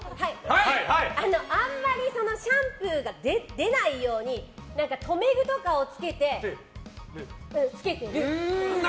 あんまりシャンプーが出ないように留め具とかをつけてる。